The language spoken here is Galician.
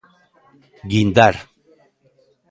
¿Guindar.